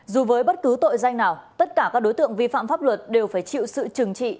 dù với bất cứ tội danh nào tất cả các đối tượng vi phạm pháp luật đều phải chịu sự trừng trị